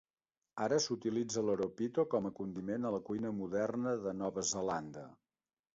Ara s'utilitza l'"horopito" com a condiment a la cuina moderna de Nova Zelanda.